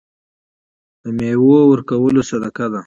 د میوو ورکول صدقه ده.